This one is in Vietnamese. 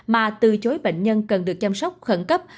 mà từ chối bệnh nhân cần được chăm sóc khẩn cấp